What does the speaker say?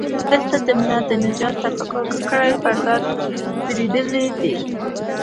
دلته د ملت د نجات تفکر ککرۍ پر دار ځړېدلي دي.